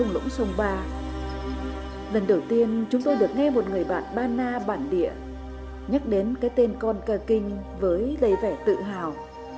lần đầu tiên chúng tôi được nghe một người bạn ba na bản địa nhắc đến cái tên con ca kinh với lấy vẻ tự hào